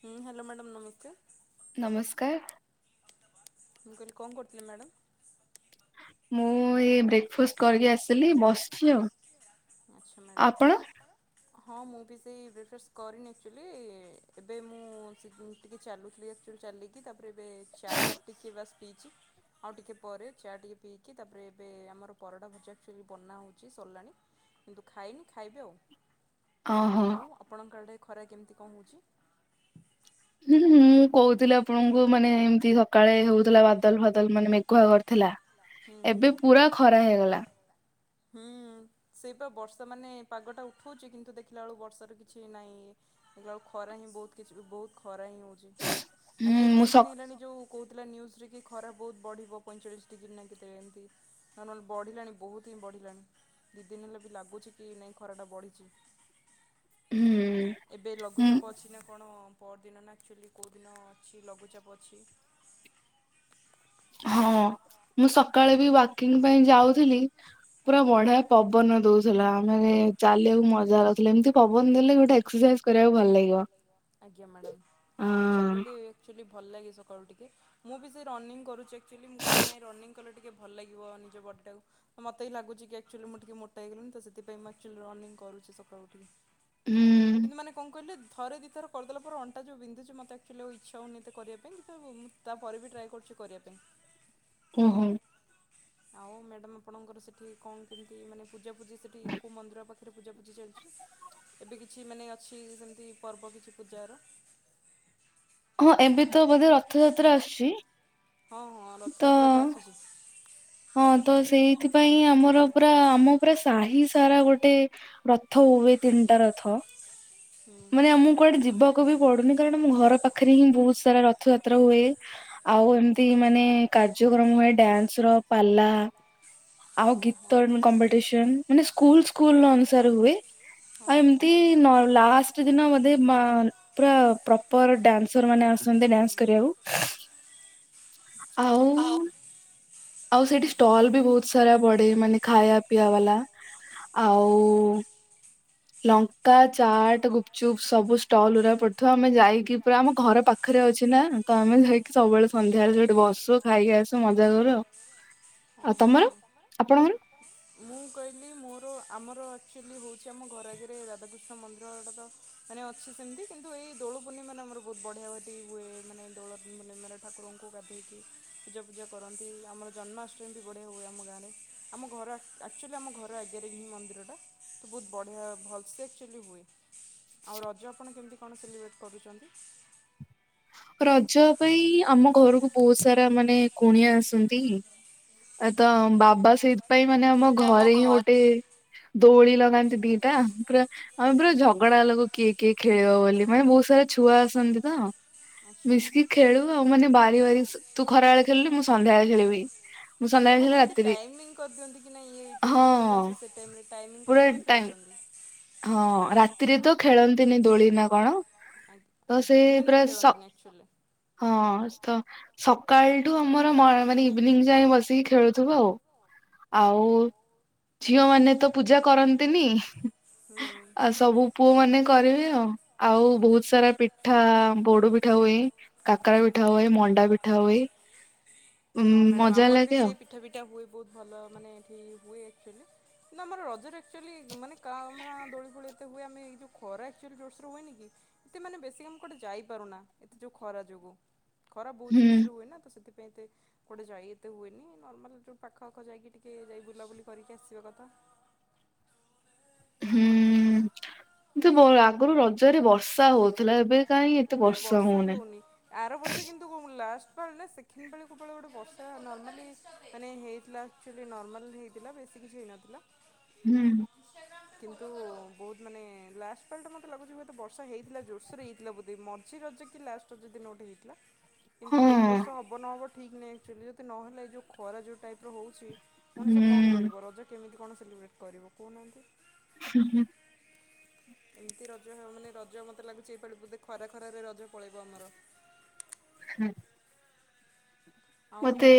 ହଁ hello madam ନମସ୍କାର। Okay ମୁଁ କହିଲି କଣ କରୁଥିଲେ ମ୍ୟାଡ଼ାମ? ମୁଁ ଏଇ ବ୍ରେକ୍ଫାଷ୍ଟ କରିକି ଆସିଲି ବସିଛି ଆଉ ଆପଣ ହଁ ମୁଁ ବି ସେଇ ବ୍ରେକ୍ଫାଷ୍ଟ କରିନି ଆକ୍ଚୁଆଲି ଏବେ ମୁଁ ଟିକଏ ଚାଲୁଥିଲି ଆଚୁଲି ଚାଲିକି ତାପରେ ଏବେ ଚା ଟିକିଏ ବାସ୍ ପିଇଛି ଆଉ ଟିକିଏ ପରେ ଚା ଟିକେ ପିଇକି ତାପରେ ଏବେ ଆମର ପରଡ଼ା ଭଜା ଆକ୍ଚୁଆଲି ବନା ହେଉଛି ସରିଲାଣି କିନ୍ତୁ ଖାଇନି ଖାଇବି ଆଉ ଆଉ ଆପଣଙ୍କ ଆଡେ ଖରା କେମିତି କଣ ହେଉଛି। ହୁଁଁ ମୁଁ କହୁଥିଲି ଆପଣଙ୍କୁ ମାନେ ଏମିତି ସକାଳେ ହଉଥିଲା ବାଦଲ ଫାଦଲ ମାନେ ମେଘୁଆ କରିଥିଲା। ଏବେ ପୁରା ଖରା ହେଇଗଲା। ହୁଁ ସେଇପ ବର୍ଷା ମାନେ ପାଗଟା ଉଠଉଛି କିନ୍ତୁ ଦେଖିଲା ବେଳୁ ବର୍ଷ ର କିଛି ନାହିଁ ଦେଖିଲା ବେଳୁ ଖରା ହିଁ ବହୁତ କିଛି ବହୁତ ଖରା ହିଁ ହଉଛି। ମାନେ ଏଇ ଦି ଦିନ ହେଲାଣି ଯୋଉ କହୁଥିଲାୁଜରେ କି ଖରା ବହୁତ ବଢ଼ିବ ପଇଁଚାଳିଶି ଡିଗ୍ରୀ। କେତେ ଏମିତି ନହଲେ ବଢ଼ିଲାଣି ବହୁତ ହିଁ ବଢ଼ିଲାଣି ଦୁଇ ଦିନ ହେଲେ ବି ଲାଗୁଛି କି ନାଇଁ ଖରାଟା ବଢ଼ିଛି। ହୁଁ ଏବେ ଲଘୁଚାପ ଅଛି ନା କଣ ପର ଦିନ ନା ଆଚୁଆଲି କେଉଁ ଦିନ ଅଛି ଲଘୁଚାପ ଅଛି। ହଁ ମୁଁ ସ ସକାଳେ ବି ୱାକିଂ ପାଇଁ ଯାଉଥିଲି ପୁରା ବଢିଆ ପବନ ଦଉଥିଲା। ମାନେ ଚାଲିବାକୁ ମଜା ଲାଗୁଥିଲା ଏମିତି ପବନ ଦେଲେ ଗୋଟେ ଏକ୍ସରସାଇଜ କରିବାକୁ ଭଲ ଲାଗିବ। ଆଁ ସକାଳୁ ଟିକେ ମୁବି ସେଇ ରନିଂ କରୁଛିଚି ମୁଁ କହିଲି ନାଇଁ ରନିଂ କଲେ ଟିକେ ଭଲ ଲାଗିବ ନିଜ ବଡି ଟାକୁ ମତେ ହି ଲାଗୁଛି କି ଆକ୍ଚୁଆଲି ମୁଁ ଟିକେ ମୋଟା ହେଇଗଲିଣିି ତ ସେଥିପାଇଁଚଲି ରନିଂ କରୁଛି ସକାଳୁ ଉଠିକି। କିନ୍ତୁ ମାନେ କଣ କହିଲୁ ଥରେ ଦୁଇ ଥରେ କରିଦେଲା ପରେ ଅଣ୍ଟା ଯେଉଁ ବିନ୍ଧୁଛି ମତେ ଆକ୍ଚୁଆଲି ଆଉ ଇଚ୍ଛା ହେଉନି ଏତ କରିବା ପାଇଁ କିନ୍ତ ମୁଁ ତାପରେ ବି ଟ୍ରାଏ କରୁଛି କରିବା ପାଇଁ। ଓ ହୋ। ଆଉ ମ୍ୟାଡାମ ଆପଣଙ୍କର ସେଠି କଣ କେମିତି ମାନେ ପୂଜା ସେଠି କୋଉ ମନ୍ଦିର ପାଖରେ ପୂଜା ପୂଜି ଚାଲିଛି ଏବେ କିଛି କିଛି ମାନେ ଅଛି ସେମିତି ପର୍ବ କିଛି ପୂଜାର? ହଁ ଏବେ ତ ବୋଧେ ରଥଯାତ୍ରା ଆସୁଛି। ହଁ ହଁ ରଥଯାତ୍ରା ତ ଆସୁଛି। ହଁ ତ ସେଇଥିପାଇଁଁ ଆମର ପୁରା ଆମ ପୁରା ସାହି ସାରା ଗୋଟେ ରଥ ହୁଏ ତିନିଟା ରଥ। ମାନେ ଆମକୁ କୁଆଡେ ଯିବାକୁ ବି ପଡୁନି କାରଣ ମୋ ଘର ପାଖରେ ହିଁ ବହୁତ ସାରା ରଥଯାତ୍ରା ହୁଏ। ଆଉ ଏମତି ମାନେ କାର୍ଯ୍ୟକ୍ରମ ହୁଏ। ଡ୍ୟାନ୍ସ ର ପାଲା। ଆଉ ଗୀତ କମ୍ପିଟିସନ୍ ମାନେ ସ୍କୁଲ ସ୍କୁଲ ଅନୁସାରେ ହୁଏ ଆଉ ଏମତି ଲାଷ୍ଟ ଦିନ ବିଧେ ପୁରା ପ୍ରପର ଡ୍ୟାନସର୍ ମାନେ ଆସନ୍ତି ଡାନ୍ସ କରିବାକୁ। ଆ ଆଉ। ଆଉ ସେଇଠି ଷ୍ଟଲ ବି ବହୁତ ସାରା ପଡେ ମାନେ ଖାଇବା ପିଇବା ବାଲା ଆଉ ଲଙ୍କା ଚାଟ୍ ଗୁପଚୁପ ସବୁ ଷ୍ଟଲ୍ ଗୁରା ପଡୁଥିବ ଆମେ ଯାଇକି ପୁରା ଆମ ଘର ପାଖରେ ଅଛି ନା ତ ଆମେ ଯାଇକି ସବୁବେଳେ ସନ୍ଧ୍ୟାବେଳେ ସେଠି ବସୁ ଖାଇକି ଆସୁ ମଜା କରୁ। ଓ ହୋ ମୁଁ କହିଲି ମୋର ଆମର ଲି ହଉଛି ଆମ ଘର ଆଗରେ ରାଧାକୃଷ୍ଣ ମନ୍ଦିରଟା ତ ମାନେ ଅଛି ସେମିତି କିନ୍ତୁ ଏଇ ଦୋଳ ପୂର୍ଣ୍ଣିମା ରେ ଆମର ବହୁତ ବଢ଼ିଆ ଗି ହୁଏ ମାନେ ଦୋଳୂର୍ ମାନେ ଠାକୁରଙ୍କୁ ଗାଧେଇକି ପୂଜା ପୂଜା କରନ୍ତି ଆମର ଜନ୍ମାଷ୍ଟମୀ ବି ବଢ଼ିଆ ହୁଏ ଆମ ଗାଁରେ ଆମ ଘର ଆକ୍ଚୁଆଲି ଆମ ଘର ଆଗରେ ହିଁ ମନ୍ଦିରଟା ତ ବହୁତ ବଢ଼ିଆ ଭଲ ସେ ଆକଚୁଆଲି ହୁଏ। ଆଉ ରଜ ଆପଣ କେମିତି କଣ ସେଲିବ୍ରଟ୍ କରୁଛନ୍ତି? ରଜ ପାଇଁ ଆମ ଘରକୁ ବହୁତ ସାରା ମାନେ କୁଣିଆ ଆସନ୍ତି। ଏ ତ ବାବା [unintelligible] ପାଇଁ ମାନେ ଆମ ଘରେ ହିଁ ଗୋଟେ ଦୋଳି ଲଗାନ୍ତି ଦିଟା ପୁରା ଆମେ ପୁରା ଝଗଡା ଲାଗୁ କିଏ କିଏ ଖେଳିବ ବୋଲି ମାନେ ବହୁତ ସାରା ଛୁଆ ଆସନ୍ତି ତ ମିଶିକି ଖେଳୁ ଆଉ ମାନେ ବାରି ବାରି ତୁ ଖରା ବେଳେ ଖେଳିଲୁ ମୁଁ ସନ୍ଧ୍ୟାବେଳେ ଖେଳିବି। ଓ ମାନେ ଏମିତି ଟାଇମ କରିଦିଅନ୍ତି କି ନାଇଁ ଇଏ ଏଇ ଟାଇମ ରେ ଖେଳିଲା ସେ ସେ ଟାଇମ ରେ ଟାଇମିଙ୍ଗ କରିକି ଗୋଟେ ଖେଳୁଛନ୍ତି। ଆଛା ଆ ଆ ନାଇଁ ନାଇଁ ସ ହଁ ତ ସକାଳଠୁ ଆମର ମାନେ ଇଭିନିଂ ଯାଇ ବସିକି ଖେଳୁଥିବୁ ଆଉ ଆଉ ଝିଅ ମାନେ ତ ପୂଜା କରନ୍ତିନି। ଆଉ ସବୁ ପୁଅ ମାନେ କରିବେ ଆଉ ଆଉ ବହୁତ ସାରା ପିଠା ପୋଡ ପିଠା ହୁଏ। କାକରା ପିଠା ହୁଏ। ମଣ୍ଡା ପିଠା ହୁଏ। ହଁ ମ୍ୟାଡାମ ଆମର ବି ସେଇ ପିଠା ପିଠା ହୁଏ। ବହୁତ ଭଲ ମାନେ ଏଠି ହୁଏ ଆକ୍ଚୁଆଲି। କିନ୍ତୁ ଆମର ରଜରେ ଆକ୍ଚୁଆଲି ମାନେ କାଁ ଭାଁ ଦୋଳି ଫୋଳି ଏତେ ହୁଏ। ଆମେ ଏଇ ଯୋଉ ଖରା ଆକ୍ଚୁଆଲି ଜୋରସରେ ହୁଏନି କି ଏତେ ମାନେ ବେଶି ଆମେ ଗୋଟେ ଯାଇ ପାରୁନା ଏତେ ଯୋଉ ଖରା ଯୋଗୁ। ଖରା ବହୁତ ଜୋରସରେ ହୁଏ ନା। ତ ସେଥି ପାଇଁ ଏତେ କୁଆଡେ ଯାଇ ଏତେ ହୁଏନି। ନର୍ମାଲ ଯୋଉ ପାଖ ଆଖ ଯାଇକି ଟିକେ ଯାଇ ବୁଲାବୁଲି କରିକି ଆସିବା କଥା। ହୁଁ ଯେ ଆଗରୁ ରଜରେ ବର୍ଷା ହଉଥିଲା। ଏବେ ଏବେ ବର୍ଷା ବି ହଉନି। ଆର ବର୍ଷ କିନ୍ତୁ ଲାଷ୍ଟ ସେକେଣ୍ଡ ବେଳକୁ ବେଳେ ଗୋଟେ ବର୍ଷା ନର୍ମାଲି ମାନେ ହେଇଥିଲା ଆକଚୁଆଲି ନିର୍ମାଲିରେ ହେଇଥିଲା ବେଶି କିଛି ହେଇନଥିଲା। ହୁଁ। କିନ୍ତୁ ବହୁତ ମାନେ ଲାଷ୍ଟ ପାଳିଟା ମତେ ଲାଗୁଛି ହୁଏତ ବର୍ଷା ହେଇଥିଲା ଜୋରସୋରେ ହେଇଥିଲା ବୋଧେ। ମଝିରେ ରଜ କି ଲାଷ୍ଟ ରଜ ଦିନ ଗୋଟେ ହେଇଥିଲା। କିନ୍ତୁ ଏଇ ବର୍ଷ ହବ ନହବ ଠିକ୍ ନାହିଁ ଆକ୍ଚୁଆଲି ଯଦି ନହେଲା ଏ ଯୋଉ ଖରା ଯୋଉ ଟାଇପ୍ ର ହଉଛି। ମଣିଷ କଣ କରିବ। ରଜ କେମିତି କଣ ସେଲିବ୍ରେଟ୍ କରିବ କହୁନାହାଁନ୍ତି। ହୁଁ। ଏମିତି ରଜ ହେବ ମାନେ ରଜ ମତେ ଲାଗୁଛି ଏଇପାଳି ବୋଧେ ଖରା ଖରାରେ ରଜ ପଳେଇବ ଆମର। ହୁଁ। ମତେ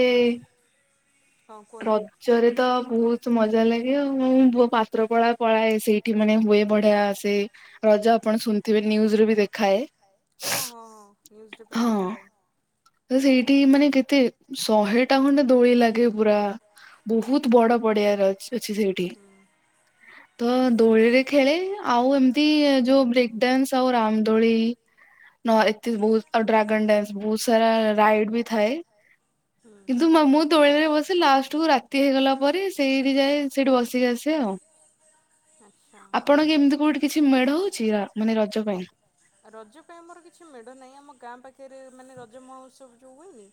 ରଜରେ ତ ବହୁତ ମଜା ଲାଗେ ଆଉ। ହୁଁ ପୁଅ ପାତ୍ର ପଳା ପଳାଏ। ସେଇଠି ମାନେ ହୁଏ ବଢିଆ ସେ ରଜ ଆପଣ ଶୁଣିଥିବେ ନିୟୁଜ୍ ରେ ବି ଦେଖାଏ। ହଁ ହଁ ହଁ ନ୍ୟୁଜରେ ପ୍ରାୟତ ଦେଖାଏ। କି ମାନେ କେତେ ଶହେ ଟା ଖଣ୍ଡେ ଦୋଳି ଲାଗେ ପୁରା। ବହୁତ ବଡ ପଡିଆରେ ଅଛି ସେଇଠି। ତ ଦୋଳିରେ ଖେଳେ। ଆଉ ଏମିତି ଯୋଉ ବ୍ରେ ଡ୍ୟାନ୍ସ ଆଉ ରାମ୍ ଦୋଳି ନୋ ଏ ବହୁ ଡ୍ରାଗନ୍ ଡ୍ୟାନ୍ସ ବହୁତ ସାରା ରାଇଡ୍ ବି ଥାଏ। କିନ୍ତୁ ମୁଁ ତୋଳିରେ ବସି ଲାଷ୍ଟ କୁ ରାତି ହେଇଗଲା ପରେ ସେଇଠି ଯାଏ ସେଇଠି ବସିକି ଆସେ ଆଉ। ଆପଣଙ୍କ ଏମିତି କୋଉଠି କିଛି ମେଢ ହଉଛି। ରଜ ପାଇଁ ଆମର କିଛି ମେଢ ନାହିଁ। ଆମ ଗାଁ ପାଖ ପାଖରେ ମାନେ ରଜ ମହୋତ୍ସବ ଯୋଉ ହୁଏନି।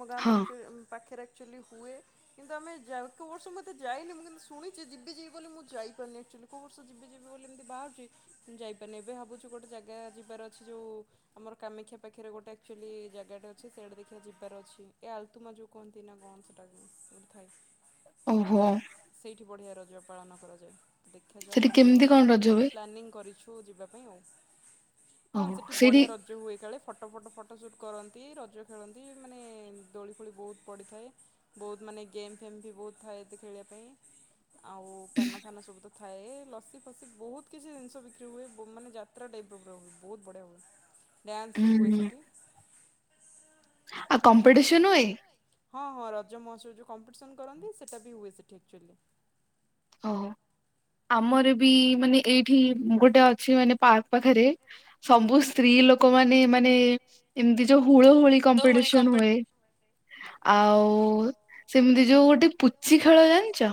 ମୁଗା ପାଖଚୁ ପାଖେରେ। ଆକ୍ଚୁଆଲି ହୁଏ କିନ୍ତୁ ଆମେ ଯାଉ କୋଉ ବର୍ଷ ମୋତେ ଯାଇନି ମୁଁ କିନ୍ତୁ ଶୁଣିଛି ଯିବି ଯିବି ବୋଲି ମୁଁ ଯାଇ ପାରୁନି ଆଚୁଆଲି। କୋଉଠି ବର୍ଷ ଯିବି ଯିବି ବୋଲି ଏମିତି ବାହାରୁଛି। ମୁଁ ଯାଇ ନେବେ ଭାବୁଛୁ ଗୋଟେ ଜାଗା ଯିବାର ଅଛି ଯୋଉ ଆମର କାମେଖ୍ୟା ପାଖରେ ଗୋଟେ ଆକ୍ଚୁଆଲି ଜାଗାଟା ଅଛି। ସେଇଆଡେ ଦେଖିବା ଯିବାର ଅଛି ଏ ଆଲତୁମା ଯୋଉ କୁହନ୍ତି ନା କଣ ସେଟାକୁ ଗୋଟେ ଥାଏ। ଓହୋ। ଏଠି ବଢିଆ ରଜ ପାଳନ କରାଯାଏ। ଦେଖାଯାଉ ସେ ଏଇ ବର୍ଷ ପ୍ଲାନିଂ କରିଛୁ। ତୁ ଯିବା ପାଇଁ ଆଉ। ହଁ ସେଠି ବଢିଆ ରଜ ହୁଏ କାଳେ ଫଟୋ ଫଟୋ ଫଟୋ ସୁଟ୍ କରନ୍ତି ରଜ ଖେଳନ୍ତି ମାନେ ଦୋଳି ଫୋଳି ବହୁତ ପଡ଼ିଥାଏ ବହୁତ ମାନେ ଗେମ୍ ଫେମ୍ ବି ବହୁତ ଥାଏ ଏତେ ଖେଳିବା ପାଇଁ। ଆଉ ପାନ ଫାନ ସବୁ ତ ଥାଏ ଲସି ଫସି ବହୁତ କିଛି ଜିନିଷ ବି ହୁଏ ବ ମାନେ ଯାତ୍ରା ଟାଇପ୍ ର ପୁରା ହୁଏ ବହୁତ ବଢ଼ିଆ ହୁଏ। ଡ୍ୟାନ୍ସ ବି ହୁଏ ସେଠି। ଆଉ କମ୍ପିଟିସନ ହୁଏ? ହଁ ହଁ ରଜ ମହୋତ୍ସବ ଯୋଉ କମ୍ପିଟିସନ କରନ୍ତି ସେଇଟା ବି ହୁଏ ସେଠି ଆକଚୁଆଲି। ଓହୋ। ଆମର ବି ମାନେ ଏଇଠି ଗୋଟେ ଅଛି ମାନେ ପାର୍କ ପାଖରେ ସବୁ ସ୍ତ୍ରୀ ଲୋକମାନେ ମାନେ ଏମିତି ଯୋଉ ହୁଳହୁଳି କମ୍ପିଟିସନ ହୁଏ ଆଉ ସେମିତି ଯୋଉ ପୁଚି ଖେଳ ଜାଣିଚ?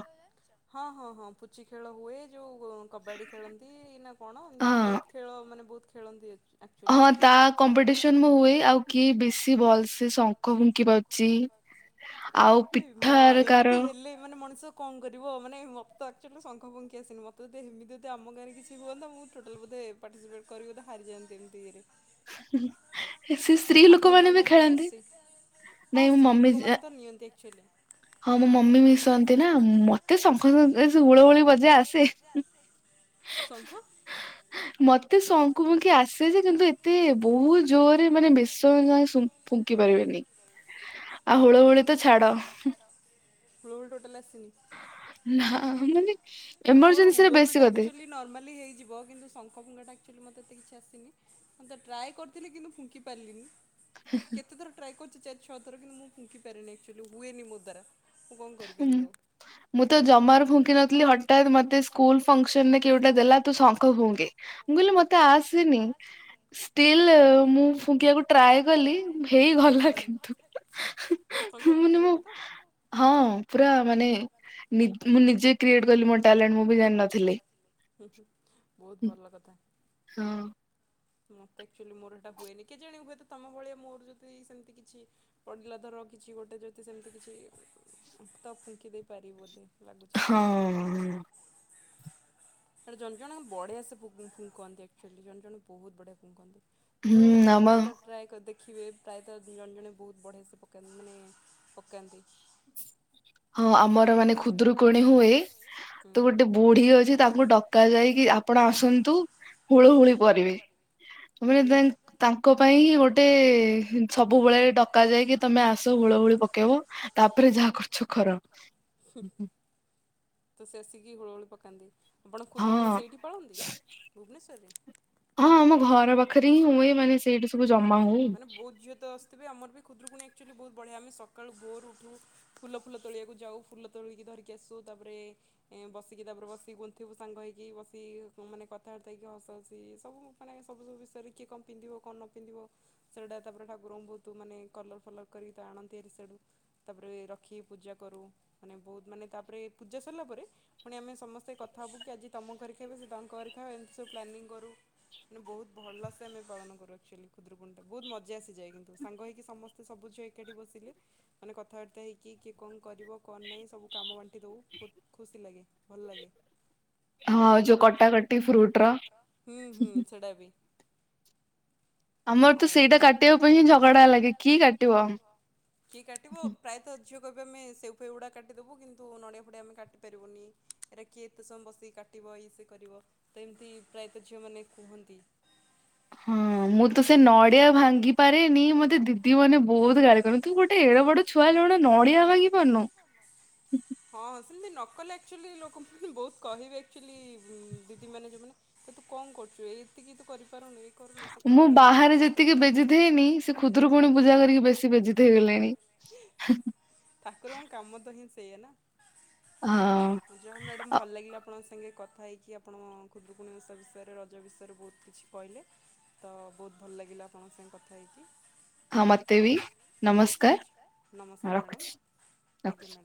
ହଁ ହଁ ହଁ ପୁଚି ଖେଳ ହୁଏ ଯୋଉ କବାଡି ଖେଳନ୍ତି ନା କଣ ଏମିତି ବହୁତ ଖେଳ ମାନେ ବହୁତ ଖେଳନ୍ତି ଆକଚୁ ହଁ ତା କମ୍ପିଟିସନ ମୁଁ ହୁଏ ଆଉ କିଏ ବେଶୀ ଭଲ ସେ ଶଙ୍ଖ ଫୁଙ୍କି ପାରୁଛି ଆଉ ପିଠା ରେ କାର ଏ ମାନେ ମଣିଷ କଣ କରିବ ମାନେ ମତେ ଆକଚୁଆଲି ଶଙ୍ଖ ଫୁଙ୍କି ଆସିନି ମୋତେ ଯଦି ହେମିତି ଯଦି ଆମ ଗାଁରେ କିଛି ହୁଅନ୍ତା ମୁଁ ଟୋଟଲ ବୋଧେ ପାଟିସିପେଟ୍ କରି ବୋଧେ ହାରିଯାଆନ୍ତି ଏମିତିି ଇଏରେ। ସେ ସ୍ତ୍ରୀ ଲୋକମାନୋନେ ବି ଖେଳନ୍ତି ନାଇଁ ମୁଁ ମମି [unintelligible] ହଁ ମୋ ମମି ମିଶନ୍ତି ନା ମ ତ ଶଙ୍ଖ ହୁ ଏ ସେ ହୁଳହୁଳି ବଜା ଆସ [unintelligible] ମତେ ଶଙ୍ଖ ଫୁଙ୍କି ଆସେ ଯେ କିନ୍ତୁ ଏତେ ବହୁତ ଜୋରରେ ମାନେ ବେଶ ସମୟ ଯାଏ ଶ୍ ଫୁଙ୍କି ପାରିବିନି। ଆଉ ହୁଳ-ହୁଳି ତ ଛାଡ। ହୁଳହୁଳି ଟୋଟାଲି ଆସ୍ ନା [unintelligible] ମାନେ ମୋର ହୁଳହୁଳି ଟା ଆକଚୁଆଲି ନର୍ମାଲି ହେଇଯିବ କିନ୍ତୁ ଶଙ୍ଖ ଫୁଙ୍କା ଟା ଆକଚୁଆଲି ମତେ ଏତେ କିଛି ଆସିନି ମୁଁ ତ ଟ୍ରାଏ କରିଥିଲି କିନ୍ତୁ ଫୁଙ୍କି ପାରିଲିନି। କେତେ ଥର ଟ୍ରାଏ କର ତ ଚାରି ଛଅଥର କିନ୍ତୁ ମୁଁ ଫୁଙ୍କି ପାରେନି ଆକଚୁଆଲି ହୁଏନି ମୋ ଦ୍ୱାରା। ହୁଁ ମୁଁ ତ ଜମାରୁ ଫୁଙ୍କିିନଥିଲି ହଠ ମତେ ସ୍କୁଲ ଫଙ୍କସନରେ କେଉଟା ଦେଲା ତୁ ଶଙ୍ଖ ଫୁଙ୍କେ କହିଲି ମତେ ଆସିନି, ଷ୍ଟିଲ୍ ମୁଁ ଫୁଙ୍କକୁ ଟ୍ରାଏ କଲି ହେଇଗଲା କିନ୍ତୁ ମାନେ ମୁ ହଁ ପୁରା ମାନେ ନି ମୁଁ ନିଜେ କ୍ରିଏଟ କଲି ମୋ ଟ୍ୟାଲେଣ୍ଟ ମୁଁ ବି ଜାଣିିନଥିଲି। [inaudible] ହଁ। ମତେ ଆକ୍ଚୁଆଲି ମୋର ଏଇଟା ହୁଏନି କେ ଜାଣ ହୁଏ ତ ତମ ଭଳିଆ ମୋର ଯଦି ସେମିତି କିଛି ପଡିଲା ଧର କିଛି ଗୋଟେ ଯଦି ସେମିତି କିଛି ତ ଫୁଙ୍କି ଦେଇ ପାରିବ ଦେ ହଁ। ହୁଁ। ସେ ଜଣେ ଜଣେ ବଢିଆ ସେ ଫୁଙ୍କନ୍ତି। ହୁଳୁ ହୁଳୁ ବି ପ୍ରାୟତଃ ଟ୍ରା କରି ଦେ। ଦେଖିବେ ପ୍ରାୟତଃ ଦୁଇ ଜଣ ଜଣେ ବହୁତ ବଢ଼ିଆ ସେକା ମାନେ ପକାନ୍ତି। ହଁ ଆମର ମାନେ ଖୁଦରୁ କୋଣ ହୁଏ। ତ ଗୋଟେ ବୁଢୀ ଅଛି ତାକୁ ଡକା ଯାଇକି ଆପଣ ଆସନ୍ତୁ ହୁଳୁ ହୁଳୁ କରିବେ ମାନେ ତାଙ୍କ ପାଇଁ ଗୋଟେ ସବୁବେଳେ ଡକା ଯାଇକି ତମେ ଆସ ହୁଳୁ ହୁଳି ପକେଇବ ତାପରେ ଯାହା କର ଛଖର [inaudible] ତ ସ ଅସି କି ହଳୁ ହଳି ପକାନ ଦେଇ ଆପଣ ଖୁଦୁରିକୁଣି ସେଇଠି ପାଳନ୍ତି, ଭୁବନେଶ୍ୱରରେ [unintelligible] ବହୁତ ଝିଅ ତ ଆସିଥିବେ ଆମର ଖୁଦୁରିକୁଣୀ ଆଚୁଲି ବହୁତଢିଆ ଆମେ ସକାଳୁ ବୋରୁ ଉଠୁ ଫୁଲ ଫୁଲ ତୋଳକୁ ଯାଉ ଫୁଲ ତୋଳିକ ଧିକି ଆସୁ ତାପରେ ବସିକି ତାରେ ବସିକି ଗୁନ୍ଥିବୁ ସାଙ୍ଗ ହୋଇଇକି ବସି ମାନେ କଥାବାର୍ତ୍ତା ହେଇକି ହସ ହସି ସବୁ ମାନେ ସବୁ ସବୁ ବିଷୟରେ କିଏ କ ପିନ୍ଧିବ କଣ ନ ପିନ୍ଧିବ ସେଇଟା ତାପରେ ଠାକୁରଙ୍କୁ ବହୁତ ମାନେ କଲର୍ ଫଲର କରିକି ତା ଆଣନ୍ତିରି ସେଠୁ ତାପରେ ରଖିକି ପୂଜା କରୁ ମାନେ ବହୁତ ମାନେ ତାପରେ ପୂଜା ସରିଲା ପରେ ପୁଣି ଆମେ ସମସ୍ତେ କଥା ହେବୁ କି ଆଜି ତମ ଘରେ ଖାଇବେ, ସେ ତାଙ୍କ ଘରେ ଖାଇବେ ଏମିତି ସବୁ ପ୍ଲାନିଂ କରୁ ମାନେ ବହୁତ ଭଲ ଲସେ ଆମେ ପାଳନ କରୁ, ଆକ୍ଚୁଆଲି ଖୁଦ୍ରପୁଣଟା ବହୁତ ମଜା ଆସିଯାଏ କିନ୍ତୁ ସାଙ୍ଗ ହୋଇଇକି ସମସ୍ତେ ସବୁ ଝିଅ ଏକାଠି ବସିଲେ ମାନେ କଥାବାର୍ତ୍ତା ହେଇକି କିଏ କଣ କରିବ କଣ ନାହିଁ ସବୁ କାମ ବାଣ୍ଟି ଦେଉ। ବହୁତ ଖୁସି ଲାଗେ ଭଲ ଲାଗେ। [inaudible] ସେଟା ବି। [unintelligible] କିଏ କାଟିବ କି କାଟ ପ୍ରାୟତ ଝିଅ କହିବେ ଆମେ ସେଉ ଫେ ଗୁଡା କାଟିଦେବୁ କିନ୍ତୁ ନଡ଼ିଆ ଫଡିଆ ଆମେ କାଟି ପାରିବୁନି ଏଇଟା କିଏ ଏତେ ସମୟ ବସିକି କାଟିବ ଇଏ ସେ କରିବ ତ ଏମିତି ପ୍ରାୟତଃ ଝିଅ ମାନେ କୁହନ୍ତି ହଁ ମୁଁ ତ ସେ ନଡିଆ ଭାଙ୍ଗି ପାରେନି, ମତେ ଦିଦି ମାନେ ବହୁତ ଗାଳି କରନି ତୁ ଗୋଟେ ଏଡ ବଡ ଛୁଆ ଲଗଣ ନଡିଆ ଭାଙ୍ଗି ପାରୁନୁ। ହଁ ସେମିତି ନ କଲେ ଆଚୁଆଲି ଲୋକଙ୍କୁ ବହୁତ କହିବେ ଆକ୍ଚୁଆଲି ଦିଦି ମାନେ ଯୋଉମାନେ ତ ତୁ କଣ କରୁଛୁ ଏତିକି ତୁ କରୁ। ମୁଁ ବାହାରେ ଯେତିକି ବେଜିିତଇନି ସେ ଖୁଦରୁକୁଣୀ ପୁଣି ପୂଜା କରିକି ବେଶୀ ବେଜି ଇଗଲେଣି। ସେ ନା [inaudible] ଯା ମ୍ୟାଡାାମ ଭଲ ଲାଗିଲି ଆପଣ ସହିତ ସାଙ୍ଗେ କଥା ହେଇକି ଆପଣ କ ଖୁଦୁରୁକୁଣିବେଶ ବିଷୟରେ ରଜ ବିଷୟରେ ବହୁତ କିଛି କହିଲେ ତ ବହୁତ ଭଲ ଲାଗିଲା ଆପଣଙ୍କ ସାଙ୍ଗେ କଥା ହେଇକି ହଁ ମତେ ବି ନମସ୍କାର ରଖୁଛି [inaudible] ରଖୁଛି।